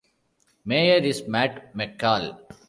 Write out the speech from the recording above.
Mayor is Matt McCall.